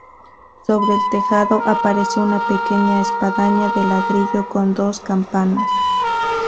Sobre el tejado, aparece una pequeña espadaña de ladrillo con dos campanas.